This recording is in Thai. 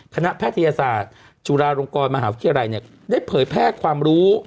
แพทยศาสตร์จุฬาลงกรมหาวิทยาลัยเนี่ยได้เผยแพร่ความรู้